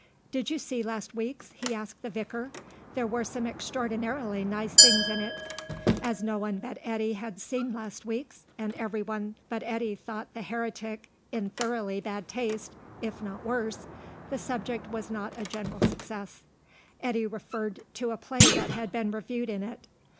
"Did you see last week's?" he asked the Vicar. "There were some extraordinarily nice things in it." As no one but Eddy had seen last week's, and everyone but Eddy thought The Heretic in thoroughly bad taste, if not worse, the subject was not a general success. Eddy referred to a play that had been reviewed in it.